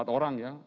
empat orang ya